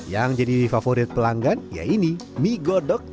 yang jadi favorit pelanggan ya ini mie godok